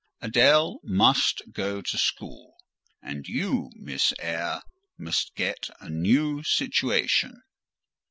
Adèle must go to school; and you, Miss Eyre, must get a new situation."